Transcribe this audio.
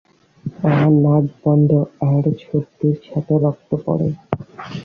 আমার নাক বন্ধ আর সর্দির সাথে রক্ত পরে।